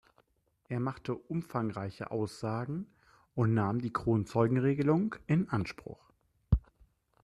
Er machte umfangreiche Aussagen und nahm die Kronzeugenregelung in Anspruch.